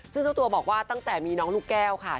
ซึ่งเจ้าตัวบอกว่าตั้งแต่มีน้องลูกแก้วค่ะ